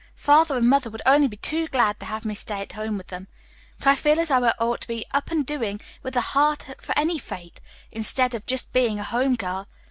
"Father and Mother would only be too glad to have me stay at home with them, but I feel as though I ought to 'be up and doing with a heart for any fate' instead of just being a home girl.